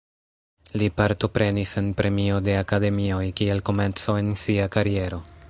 Li partoprenis en premio de akademioj kiel komenco en sia kariero.